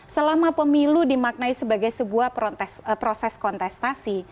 selama pemilu dimaknai sebagai sebuah proses kontestasi